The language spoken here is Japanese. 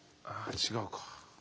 あ違うか。